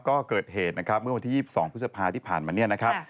ก็เกิดเหตุนะครับเมื่อวันที่๒๒พฤษภาที่ผ่านมาเนี่ยนะครับ